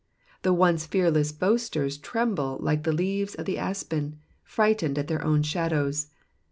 The once fearless boasters tremble like the leaves of the aspen, frightened at their own shadows.